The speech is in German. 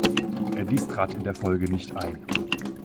Dies trat in der Folge nicht ein.